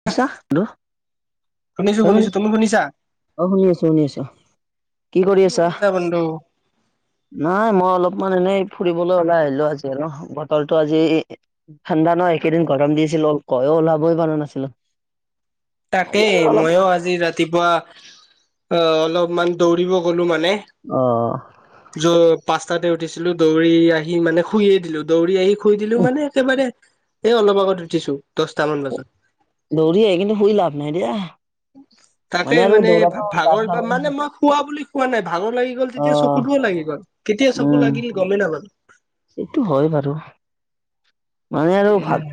শুনিছা? ল শুনিছো তই শুনিছো শুনিছ তুমি শুনিছা? অ' শুনি আছো শুনি আছো। কি কৰি আছা? নাই মই অলপমান এনেই ফুৰিবলৈ ওলাই আহিলো আজি আৰু, বতৰটো আজি ঠাণ্ডা ন একেইদিন গৰম দিছিলো কয়ো ওলাবই পাৰো নাছিলো। আজি তাকেই আৰু অলপ মইও আজি ৰাতিপুৱা অ অলপমান দৌৰিব গ'লো মানে। অ' অ য পাঁচটাতে উঠিছিলো দৌৰি আহি মানে শুইয়ে দিলো দৌৰি আহি-' শুই দিলো মানে একেবাৰে এই অলপ আগত উঠিছো দহটা মান বজাত। দৌৰিয়ে আহি কিন্তু শুই লাভ নাই দিয়া তাকে আৰু মানে দৌৰাটো গাত ভাগৰ বা নালাগে। মানে মই- খোৱা বুলি খোৱা নাই ভাঙৰ লাগি গ'ল অ তেতিয়া চকুতও লাগি গ'ল কেতিয়া চকু উম লাগিল গমেই নাাপালো। এইটো হয় বাৰু মানে আৰু ভাত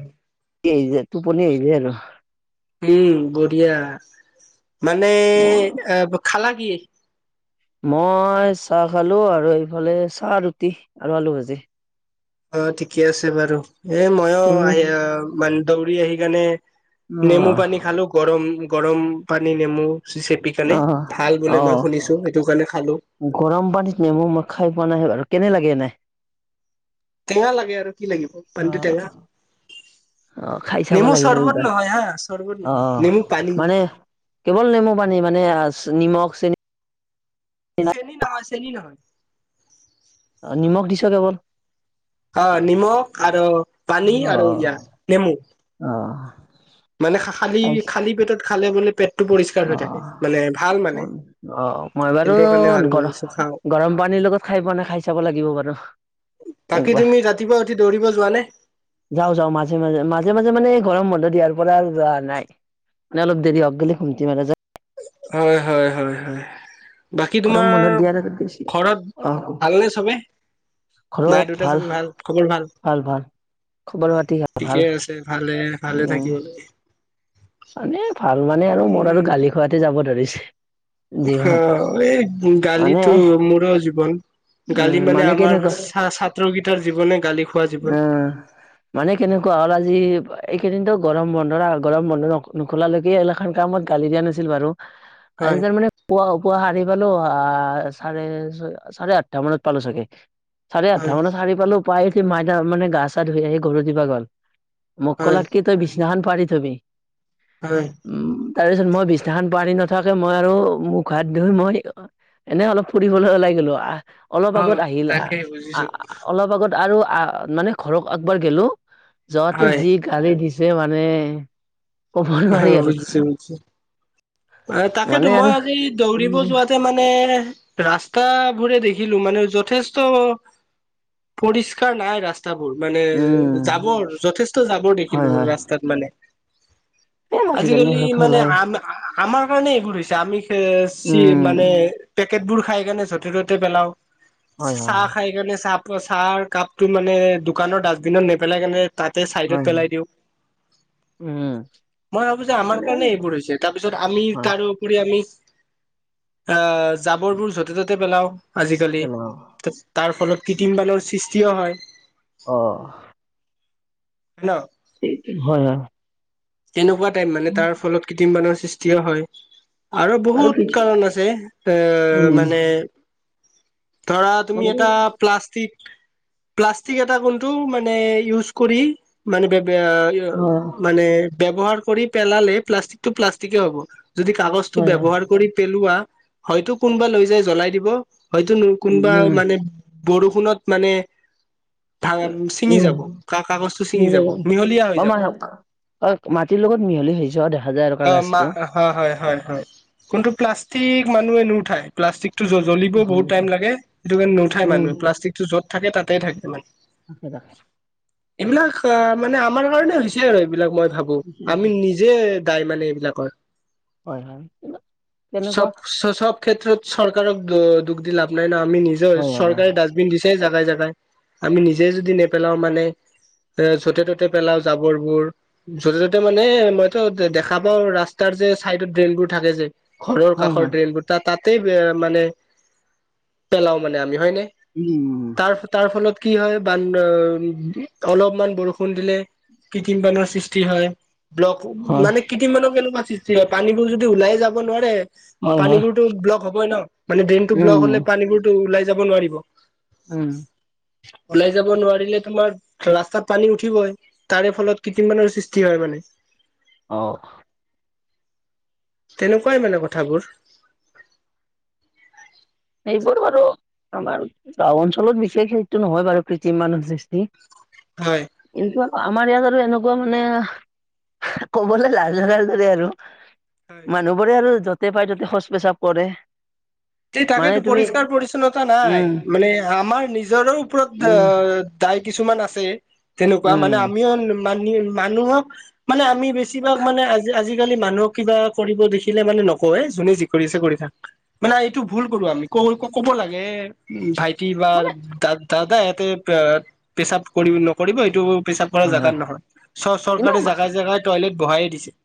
য টোপনি আহ যায় আৰু উম বঢ়িয়া মানে মই এ খালা কি? মই চাহ খালোঁ আৰু এইফালে চাহ ৰুটি আৰু আলু ভাজি। অ ঠিকে আছে বাৰু, এ মইয়ো তুমি আহি আহ মান দৌৰি আহি কেনে নেমু অ পানী খালোঁ গৰম গৰম পানী নেমু চে কেনে, ভাল অ', বোলে মই অ', শুনিছো সেইটো কাৰণে খালো। গৰম পানীত মেমু মই খাই পোৱা নাই বাৰু কেনে লাগে এনে? টেঙা লাগে আৰু কি লাগিব। পানীটো টেঙা অঁ আহ খাই চাব নেমু লাগিব চৰ্বত এইবাৰ, নহয় হা চৰ্বত নহয় আহ নেমু পানী মানে কেৱল নেমু পানী মানে নিমখ চেনি চেনী নহয় চেনী নহয়। অ নিমখ দিছ কেৱল অ নিমখ আৰু পানী আৰু এয়া নেমু। অঁ,, মানে খালী খালী পেটত খালে বোলে পেটটো পৰিষ্কাৰ হৈ থাকে অ', মানে ভাল মানে। অ মই বাৰু হেল্থৰ কাৰণে ভাল বোলে গৰম চ খাও গৰম পানীৰ লগত খাই পোৱা নাই খাই চাব লাগিব বাৰু। বাকী একবাৰ তুমি ৰাতিপুৱা উঠি দৌৰিব যোৱানে? যাওঁ যাওঁ মাজে মাজে, মাজে মাজে মানে গৰম বন্ধ দিয়াৰ পৰা যোৱা নাই। নে অলপ দেৰি হক বুলি ঘুমতি মাৰা যায় হয় হয় হয় হয়। বাকী গৰম বন্ধ তোমাৰ দিয়াৰ আগত গৈছি ঘৰত অ', ভালনে চবে? মায়ে দেউতা চবে ভাল খবৰ ভাল? খবৰ পাতি ভাল। ঠিকেই আছে ভালে ভালে উম। থাকিব,, মানে ভাল মানে আৰু মোৰ আৰু উম, গালি খোৱাতে যাব ধৰিছে। অ জীৱন। এই মানে গালিটো মোৰো জীৱন। গালি উম মানে আমাৰ কেনেকুৱা ছাত্ৰকেইটাৰ জীৱনে গালি খোৱা জীৱন। উম। মানে কেনেকুৱা হল আৰু আজি এইকেইদিনো গৰম বন্ধৰ গৰম বন্ধ ন নোখোলালৈকে এগলাখান কামত গালি দিয়া নাছিল বাৰু আজি হয় তাৰ মানে পুৱা পুৱা সাৰি পালো আহ চাৰে চাৰে আঠটা মানত পালো চাগে। চাৰে আঠটা হয়। মানত আহি পালো উপায়ি মাইনা মানে গা চা ধুই আহি গৰু দিবা গল। মোক হয় ক'লাক কি তই বিছনাখন পাৰি থবি,, হয়। উ তাৰ পিছত মই বিছনাখন পাৰি থৈ নথাকে মই আৰু মুখ হাত ধুই মই এনে অলপ ফুৰিবলৈ ওলাই গলো আহ অলপ অ' আগত আহিল তাকে বুজিছো আহ অলপ আগত আৰু মানে ঘৰক আকবাৰ গলো যোৱাতে হয় যি গালি দিছে মানে। কব নোৱাৰি অ' আৰু। বুজিছো বুজিছো। অ মানে তাকেতো আৰু মই আজি দৌৰিব উম, যোৱা মানে ৰাস্তা বোৰে দেখিলো মানে যথেষ্ট পৰিষ্কাৰ নাই ৰাস্তা ৰাস্তাবোৰ মানে উম, যাবৰ যথেষ্ট জাবৰ হয়, দেখিলো হয় ৰাস্তাত মানে এ আজিকালি আৰু মানে খেলাই আম আমাৰ কাৰণে এইবোৰ হৈছে আমি খ চি উম, মানে পেকেট বোৰ খাই কেনে য'তে ত'তে পেলাও হয়, হয়, চাহ হয়, খাই কেণে চাহ চাহ কাপটো মানে দোকানৰ ডাষ্টবিনত নেপেলাই কেনে তাতে চাইডত হয়, পেলাই দিওঁ উম, মই ভাবো যে আমাৰ মানে কাৰণে এইবোৰ হৈছে তাত আমি হয় তাৰোউপৰি আমি আহ জাবৰবোৰ য'তে ত'তে পেলাও আজিকালি তেনেকুৱা তাৰ ফলত কৃত্ৰিম বানৰ সৃষ্টিও হয় অঁ হেল্ল এইটো হয় হয় এনেকুৱা টাইপ মানে তাৰ ফলত কৃত্ৰিম বানৰ সৃষ্টিও হয় আৰু বহুত কাৰণ আছে এ উম, মানে ধৰা তুমি এটা প্লাষ্টিক প্লাষ্টিক এটা কোনটো মানে ইউজ কৰি মানে অ'। মানে ব্যৱহাৰ কৰি পেলালে প্লাষ্টিকটো প্লাষ্টিকে হ'ব যদি কাগজটো হয় হয় ব্যৱহাৰ কৰি পেলোৱা হয়তো কোনোবা লৈ যাই জ্বলাই দিব হয়তো কোনোবা উম মানে বৰষুণত মানে ধা ছিঙি উম যাব কা কাগজটো ছিঙি যাব মিহলীয়া হৈ যাব অ মাটিৰ লগত মিহলি হৈ যোৱা দেখা যায় এনেকুৱা অ মা গাছটো। হয় -হয় -হয় -হয় -কোনটো প্লাষ্টিক মানুহে নুঠায় প্লাষ্টিকটো জ্বলিব বহুত ল নু উম। মানুহে প্লাষ্টিক টো য'ত থাকে তাতে থাকে মানে আাকে ৰাখ [unintelligible] এইবিলাক মানে আমাৰ কাৰণে হৈছে আৰু এইবিলাক মই ভাবো আমি নিজে দাই মানে এইবিলাকৰ হয় হয় তেনেকুৱা চব -চ -চব ক্ষেত্ৰত চৰকাৰক দুখ দি লাভ নাই ন আমি নিজৰ হয় হয় হয়। চৰকাৰে ডাষ্টবিন দিছে য জাই জাগাই আমি নিজে যদি নেপেলাও মানে এ য'তে ত'তে পেলাও জাবৰবোৰ য'তে ত'তে মানে মইতো দেখা পাওঁ ৰাস্তাৰ যে চাইডত ড্ৰেইনবোৰ থাকে যে ঘৰৰ হয় কাষৰ হয় ড্ৰেইনবোৰ ত তাতে মানে পেলাও মানে আমি হয় ন উম তাৰ ফলত কি হয় বান অলপমান বৰষুণ দিলে কৃত্ৰিম পানৰ সৃষ্টি হয় ব্লক হয় মানে কেইদিমানৰ কেনেকুৱা সৃষ্টি হয় পানীবোৰ যদি ওলাই যাব নোৱাৰে হয় হয় পানীবোৰতো ব্লক হ'বই ন মানে ড্ৰেইনতটো ব্লক উম হলে পানীবোৰতো ওলাই যাব নোৱাৰিব উম ওলাই যাব নোৱাৰিলে তোমাৰ ৰাস্তাত পানী উঠিবই তাৰে ফলত কীৰ্তিমানৰ সৃষ্টি হয় মানে অঁ তেনেকুৱাই মানে কথাবোৰ এই বোৰ বাৰু আমাৰ গাওঁ অঞ্চলত বিশেষ সটো নহয় বাৰু কৃতি মানুহ চিষ্টি হয় কিন্তু আমাৰ ইয়াত আৰু এনেকুৱা মানে কবলে লাজ লগাৰ দৰে আৰু হয় মানুহবোৰে আৰু য'তে পাই ত'তে শৌচ প্ৰেচাৱ কৰে। এই মানে তাকেতো তুমি পৰিষ্কাৰ পৰিচ্ছন্নতা নাই উম মানে আমাৰ নিজৰৰ ওপৰত উম, আহ দাই কিছুমান আছে তেনেকুৱা উম, মানে আমিও মান মানুহক মানে আমি বেছিভাগ মানে আজি আজিকালি মানুহক কিবা কৰিব দেখিলে মানে নকওঁৱ যোনে যি কৰি আছে কৰি থাকক। মানে এইটো ভুল কৰো আমি ক- ক -ক'ব লাগে উম ভাইটি বা মানে দ দাদা ইয়াতে পেচাব কৰিব নকৰিব এইটো পেচাব হয়, জোগাত হয়, নহয় চ কিন্তু চৰকাৰে মা- জোগাই- জোগাই- টয়লেট বহাইে দিছে।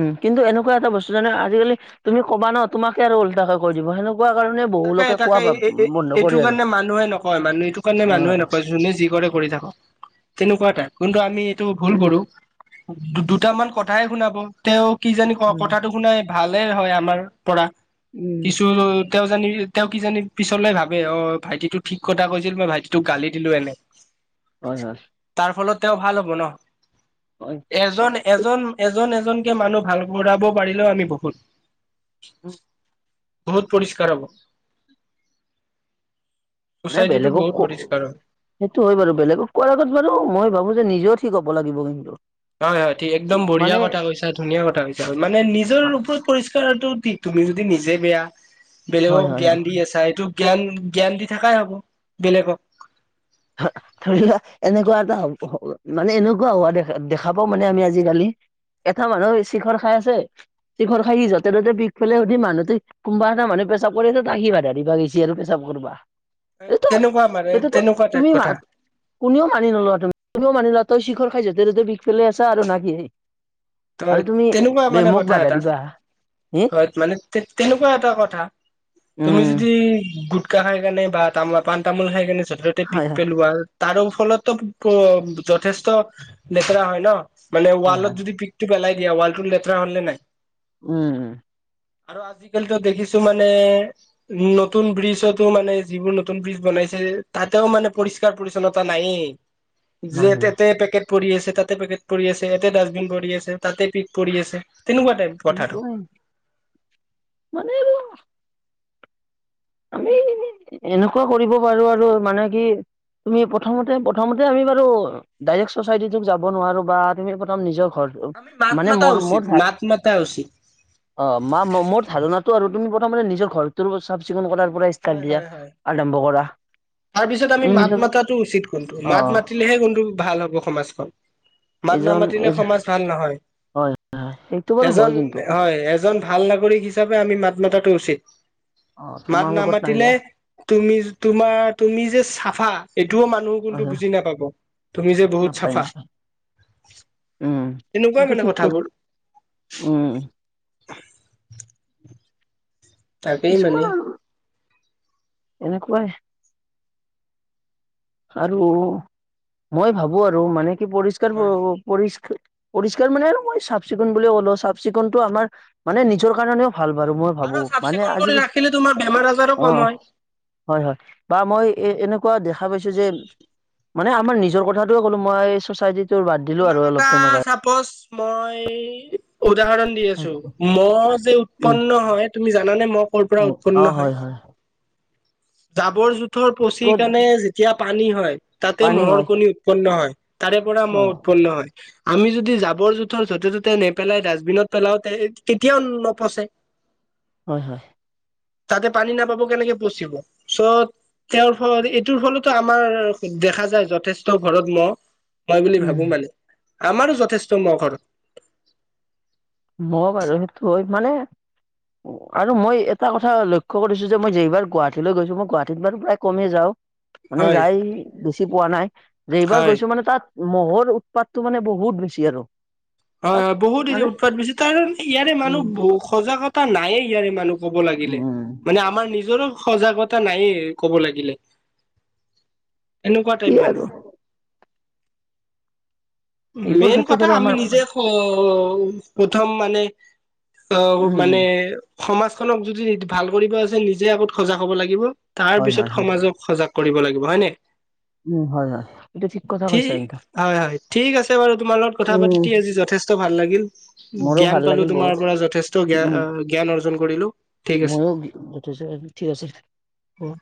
উম কিন্তু এনেকুৱা এটা বস্তু জানা আজিকালি তুমি ক'বা ন তোমাকে আৰু উলোটাকে কৈ দিব হেকুৱা। কোৱা কাৰণে বহু তাকে লোকে কোৱা -তাকে ভাব বন্ধ কৰে -এইটো আৰু। কাৰণে মানুহে নকয় মানুহ এইটো কাৰণে মানুহে অ', নকয়। যোনে যি কৰে কৰি থাকক তেনেকুৱা এটা কিন্তু আমি এইটো ভুল উম, কৰো। দুটামান কথাই শুনাব তেওঁ কি জানি উম, কথাটো শুনাই ভালে হয় আমাৰ পৰা, উম কিছুলৈ তেওঁ জানি তেওঁ কি জানি পিছলে ভাবে অ ভাইটিটোক ঠিক কথা কৈছিলে, মই ভাইটিটোক গালি দিলো এনে। হয়, হয়। তাৰ ফলত তেওঁ ভাল হ'ব ন, হয়। এজন- এজন-এজন এজন এজনকে মানুহ ভাল কৰাব পাৰিলেও আমি বহুত। [inaudible] বহুত পৰিষ্কাৰ হ'ব, মানে চচাইটিটো বেলেগক ক বহুত পৰিষ্কাৰ হয়। সেইটো হয় বাৰু, বেলেগক কোৱাৰ আগত বাৰু মই ভাবো যে নিজেও ঠিক হ'ব লাগিব কিন্তু হয় -হয় -ঠিক একদম বঢ়িয়া মানে কথা কৈছা ধুনীয়া কথা কৈছা মানে নিজৰ ওপৰত পৰিষ্কাৰটো কি তুমি যদি নিজে বেয়া হয়, বেলেগক হয়, হয়। জ্ঞান দি আছা এইটো জ্ঞান- জ্ঞান- দি থকাই হ'ব বেলেগক [inaudible] ধৰি লোৱা এনেকুৱা এটা হ'ব, মানে এনেকুৱা হোৱা দেখা দেখা পাও মানে আমি আজিকালি এটা মানুহে চিখৰ খাই আছে, চিখৰ খাই ই যতে ত'তে পিক পেলাই সুধি মানুহটো কোনোবা এটা মানে পেছাব কৰিছে তাকে বাধা দিবা গিছি আৰু পেছাব কৰিবা। তেনেকুৱা মানে তেনেকুৱা টাইপ। কথা [unintelligible] কোনেও মানি নলোৱা তুমি কোনেও মানি লোৱা তই শিখৰ খাই য'তে য'তে বিষ পেলাই আছ আৰু না কি! তয় আৰু তুমি তেনেকুৱা মানে মোক কথা বাধা এটা। দিবা হে হয়। মানে তেনেকুৱা এটা কথা তুমি উম যদি গোটকা খাইকনে বা তামোল পাণ তামোল খাই কাৰনে যতে-ততে পিক হয় হয় পেলোৱা তাৰো ফলতো যথেষ্ট লেতেৰা হয় ন, মানে হয় ৱালত হয় যদি পিক পিক পেলাই দিয়া ৱালটো লেতেৰা হ'ল নে নাই? উম। আৰু আজিকালিতো দেখিছো মানে নতুন ব্ৰিজতো মানে যিবোৰ নতুন ব্ৰিজ বনাইছে তাতেও মানে পৰিষ্কাৰ পৰিষ্কাৰ-পৰিচ্ছনতা নায়েই। নাই নাই যতে পেকেট পৰি আছে তাতে পেকেট পৰি আছে ইতে ডাষ্টবিন পৰি আছে। তাতে পিক পৰি আছে তেনেকুৱা টাইপ। কথাটো সেনেকুৱাই, মানে আৰু আমি এনেই, এনেকুৱা কৰিব পাৰো আৰু মানে কি তুমি প্ৰথমতে প্ৰথমতে আমি বাৰু ডাইৰে ছচাইটি তোক যাব নোৱাৰো বা তুমি প্ৰথম নিজৰ ঘৰ- টো আমি মাত মানে মাতা মোৰ উচিত মোৰ মাত মাতা উচিত অ মা মোৰ ধাৰণাটো আৰু তুমি প্ৰথমতে নিজৰ ঘৰটোৰ চাফ-চিকুণ কৰাৰ পৰাই- হয় কাজিয়া হয় হয় আৰম্ভ কৰ তাৰপিছত আমি মাত মাতাটো উচিত কিন্তু অ মাত মাতিলেহে কিন্তু ভাল হ'ব সমাজ- খন। মাত এজন নামাতিলে এ সমাজ ভাল নহয়। হয় সেইটো বাৰু হয় এজন কিন্তু হয়। এজন ভাল নাগৰিক হিচাপে আমি মাত মাতাটো উচিত। অঁ। মাত নামাতিলে- তুমি তোমাৰ তুমি যে চাফা এইটোও মানুহ হয় কিন্তু হয় বুজি নাপাব। তুমি যে বহুত চাফা। উমঁ, তেনেকুৱাই মানে কথাবোৰ উমঁ। তাকেই মানে কিছুমান আৰু এনেকুৱাই। আৰু মই ভাবো আৰু মানে কি হয় পৰিষ্কাৰ-পৰিচ্ছন পৰিষ্কাৰ মানে আৰু মই চাফ-চিকুণ বুলিয়ে ক'লো চাফ- চিকুণটো আমাৰ মানে নিজৰ কাৰণেও ভাল বাৰু। মই ভাবো আৰু মানে চাফ-চিকুণ আজি কৰি ৰাখিলে তোমাৰ বেমাৰ-আজাৰো অ কম হয়। হয়, হয়, বা মই এ এনেকুৱা দেখা পাইছো যে- মানে আমাৰ নিজৰ কথাটোৱে ক'লো মই চ'চাইটিটো বাদ দিলো তোমাক আৰু এটা অলপ টাইমৰ কাৰণে। মই উদাহৰণ- দি আছো। কাৰণে ম'হ যে উৎপন্ন উম হয়, তুমি জানানে ম'হ ক'ৰ পৰা উৎপন্ন হয়? জাবৰ-জোথৰ পচি ক'ত কেণে যেতিয়া পানী হয়, তাতে পানী ম'হৰ হয় কণী উৎপন্ন হয়। তাৰে পৰা ম'হ হয় উৎপন্ন হয়। আমি যদি জাবৰ-জোথৰ য'তে ত'তে নেপেলাই ডাষ্টবিনত পেলাও তে কেতিয়াও নপচে। হয়-হয়। তাতে পানী নাপাব কেনেকে পচিব। চ'- তেওঁৰ ফলত এইটোৰ ফলতো আমাৰ দেখা যায় যথেষ্ট ঘৰত ম'হ। হয় বুলি উম ভাবো মানে, আমাৰো যথেষ্ট মহ ঘৰত। হয় বাৰ। মানে আৰু মই এটা কথা লক্ষ্য কৰিছো যে মই যেইবাৰ গুৱাহাটীলৈ গৈছো মই গুৱাহাটীত বাৰু প্ৰায় কমেই যাওঁ। মানে হয় যাই বেছি পোৱা নাই। যেইবাৰ হয় গৈছো মানে তা'ত- মহ'ৰ উৎপাতটো মানে বহুত বেছি আৰু। তাত হয়-হয়, বহুত মানে উৎপাত বেছি তাৰ ইয়াৰে মানুহ উম বহু সজাগতা নায়ে ইয়াৰে মানুহ। ক'ব লাগিলে উম মানে আমাৰ নিজৰো সজাগতা নাইয়ে কব লাগিলে, এনেকুৱা কি টাইপ আৰু মানে। এইবোৰ মেইন ক্ষেত্ৰত কথা আৰু আমি আমাৰ নিজে- অহ', প্ৰথম মানে অ উম মানে- সমাজ খনক যদি ভাল কৰিব আছে নিজে আগত সজাগ হ'ব লাগিব, তাৰ হয় পিছত হয় হয় সমাজক- সজাগ কৰিব লাগিব হয় নাই। উম হয় হয় এইটো ঠিক কথা কৈছা কিন্তু হয়-হয়, ঠিক আছে বাৰু তোমাৰ লগত কথা উম পাতি আজি য- যথেষ্ট ভাল লাগিল। মোৰো জ্ঞান ভাল পালো লাগিল তোমাৰ বহুত পৰা যথেষ্ট জ্ঞান অৰ্জন কৰিলো। ঠিক মইও যথেষ্ট ঠিক আছে দে। উম।